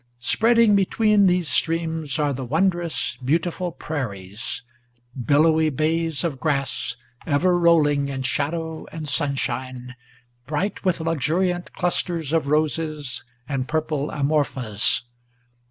Spreading between these streams are the wondrous, beautiful prairies, Billowy bays of grass ever rolling in shadow and sunshine, Bright with luxuriant clusters of roses and purple amorphas.